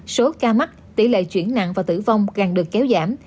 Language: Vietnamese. số ca mắc tỷ lệ chuyển nặng và tử vong càng được kéo giảm